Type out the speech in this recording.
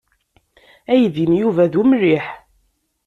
Aydi n Yuba d umliḥ.